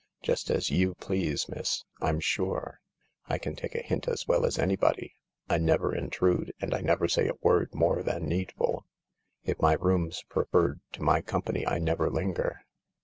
"Just as you please, miss, I'm sure. I can take a hint as well as anybody. I never intrude and I never say a word more than needful. If my room's preferred to my company I never linger.